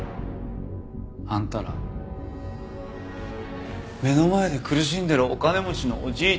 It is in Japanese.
あんたら目の前で苦しんでるお金持ちのおじいちゃん